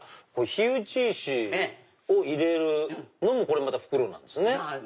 火打ち石を入れるのもこれもまた袋なんですね。